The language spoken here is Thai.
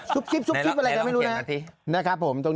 สูบจิ๊บทุกอย่างอะไรก็ไม่รู้นะ